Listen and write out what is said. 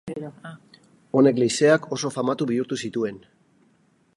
Honek leizeak oso famatu bihurtu zituen.